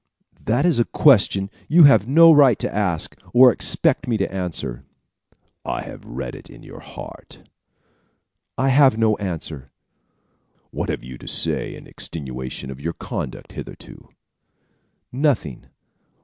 "That is a question you have no right to ask, or expect me to answer." "I have read it in your heart." "I have no answer." "What have you to say in extenuation of your conduct hitherto?" "Nothing."